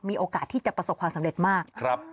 มีโอกาสที่จะประสบความสำเร็จมาก